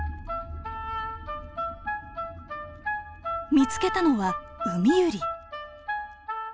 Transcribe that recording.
見つけたのはウミユリ。